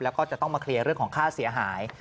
แล้วก็จะต้องมาเคลียร์เรื่องของค่าเสียหาย